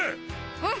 うん！